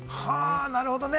なるほどね。